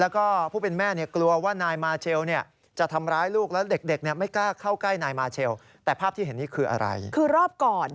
กับคุณจอมขวัญนี่นะครับ